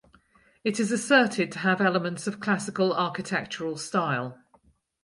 It is asserted to have elements of Classical architectural style.